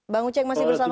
bang uceng masih bersama